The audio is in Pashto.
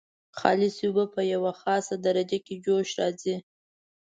خالصې اوبه په یوه خاصه درجه کې جوش راځي.